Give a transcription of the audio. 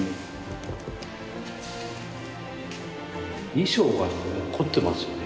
衣装が凝ってますよね。